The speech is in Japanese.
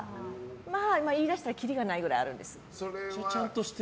言い出したらきりがないくらいあるんです。